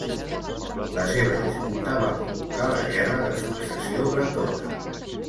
La seva disputa va provocar la guerra de successió bretona.